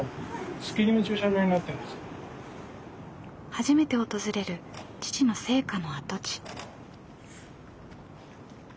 初めて訪れる父の生家の跡地。